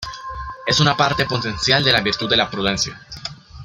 Es una parte potencial de la virtud de la prudencia.